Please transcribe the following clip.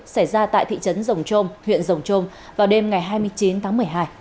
xảy ra tại thị trấn rồng trôm huyện rồng trôm vào đêm ngày hai mươi chín tháng một mươi hai